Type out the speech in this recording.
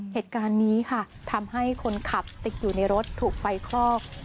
เหตุการณ์นี้ค่ะทำให้คนขับติดอยู่ในรถถูกไฟคลอก